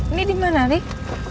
ini dimana rik